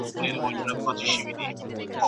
¬ د اوبو خروار دئ په گوتو ښورېږي.